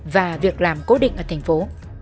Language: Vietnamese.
và việc làm cố định ở thành phố